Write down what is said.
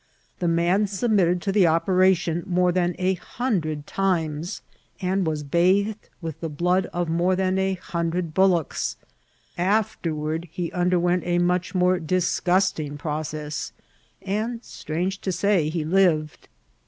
The man submitted to the operation more than a hundred times, and was bathed with the blood of more than a hundred bullocks ; afterward he underwent a much more disgusting pro cess, and, strange to say, he lived.